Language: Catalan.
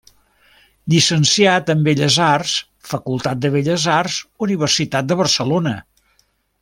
Llicenciat en Belles Arts, Facultat de Belles Arts, Universitat de Barcelona.